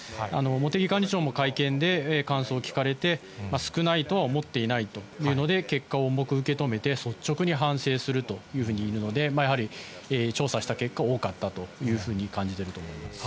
茂木幹事長も会見で感想を聞かれて、少ないとは思っていないというので、結果を重く受け止めて率直に反省するというので、やはり調査した結果、多かったというふうに感じていると思います。